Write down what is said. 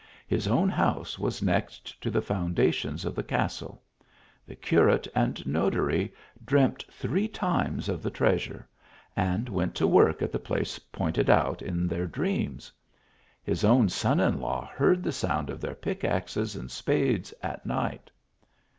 His own house was next to the founda tions of the castle. The curate and notary dreamt three times of the treasure, and went to work at the place pointed out in their dreams. His own son in law heard the sound of their pick axes and spades at night.